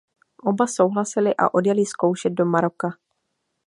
Oba souhlasili a odjeli zkoušet do Maroka.